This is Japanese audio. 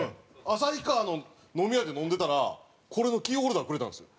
旭川の飲み屋で飲んでたらこれのキーホルダーくれたんですよ。